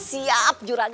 sampai jumpa lagi